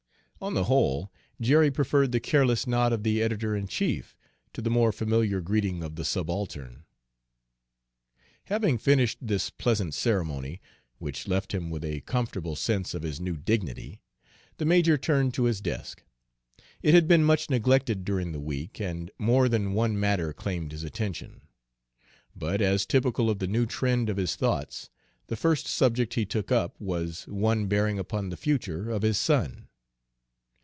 On the whole, Jerry preferred the careless nod of the editor in chief to the more familiar greeting of the subaltern. Having finished this pleasant ceremony, which left him with a comfortable sense of his new dignity, the major turned to his desk. It had been much neglected during the week, and more than one matter claimed his attention; but as typical of the new trend of his thoughts, the first subject he took up was one bearing upon the future of his son.